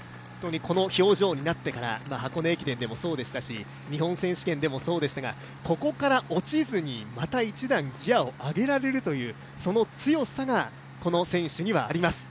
この表情になってから箱根駅伝でもそうでしたし日本選手権でもそうでしたが、ここから落ちずにまた一段ギヤを上げられるというその強さがこの選手にはあります。